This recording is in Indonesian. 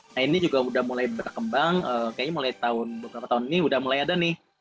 nah ini juga udah mulai berkembang kayaknya mulai tahun beberapa tahun ini udah mulai ada nih